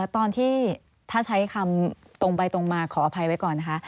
ตอนที่ถ้าใช้คำตรงไปตรงมาขออภัยไว้ก่อนนะคะ